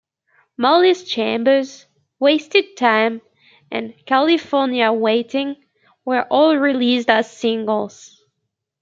"Molly's Chambers," "Wasted Time" and "California Waiting" were all released as singles.